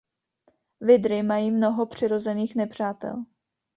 Vydry mají mnoho přirozených nepřátel.